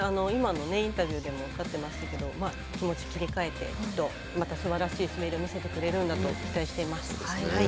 今のインタビューでもおっしゃってましたけど気持ちを切り替えてまた、すばらしい滑りを見せてくれるんだと期待しています。